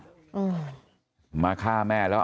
คือผู้ตายคือวู้ไม่ได้ยิน